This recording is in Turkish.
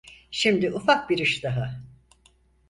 Şimdi ufak bir iş daha…